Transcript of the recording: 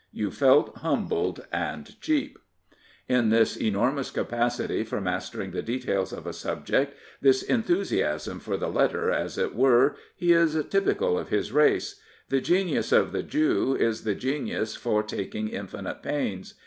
You felt humbled and cheap. In this enormous capacity for mastering the details of a subject, this enthusiasm for the letter, as it were, he is typical of his race. The genius of the Jew is the genius for taking infinite pains.